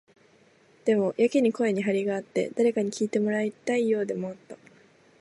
でも、やけに声に張りがあって、誰かに聞いてもらいたいようでもあった。